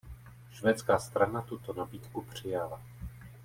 Švédská strana tuto nabídku přijala.